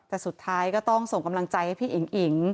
แต่สุดท้ายก็ต้องส่งกำลังใจให้พี่อิ๋งอิ๋ง